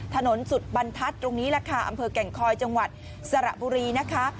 ถนนสุดบรรทัศน์ตรงนี้แหละค่ะอำเภอแก่งคอยจังหวัดสระบุรีนะคะ